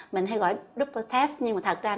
mình hay gọi triple test nhưng mà thật ra